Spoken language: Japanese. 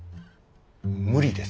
無理です。